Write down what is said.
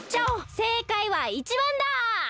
せいかいは１ばんだ！